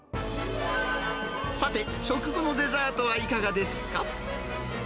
さて、食後のデザートはいかがですか？